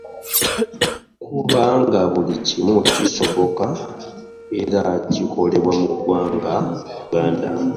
Kubanga buli kimu kisoboka era kikolebwa mu ggwanga Uganda.